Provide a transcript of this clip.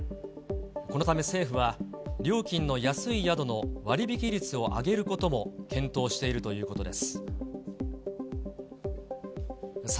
このため政府は、料金の安い宿の割引率を上げることも検討しているということです。